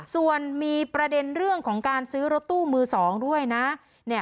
ส่วนมีประเด็นเรื่องของการซื้อรถตู้มือ๒ด้วยนะ